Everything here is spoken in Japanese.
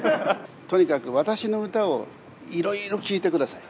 とにかく私の歌をいろいろ聴いてください。